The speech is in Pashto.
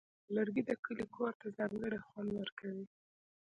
لرګی د کلي کور ته ځانګړی خوند ورکوي.